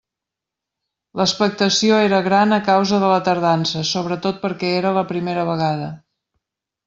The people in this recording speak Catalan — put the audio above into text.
L'expectació era gran a causa de la tardança, sobretot perquè era la primera vegada.